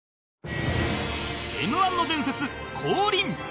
Ｍ−１ の伝説光臨！